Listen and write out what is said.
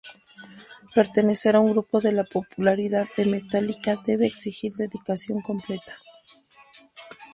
Pertenecer a un grupo de la popularidad de Metallica debe exigir dedicación completa.